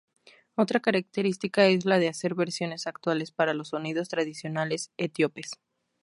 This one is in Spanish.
Otra característica es la de hacer versiones actuales para los sonidos tradicionales etíopes.